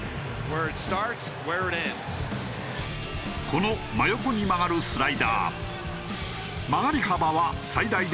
この真横に曲がるスライダー。